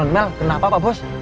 mel kenapa pak bos